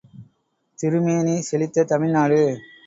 திருமேனி செழித்த தமிழ்நாடு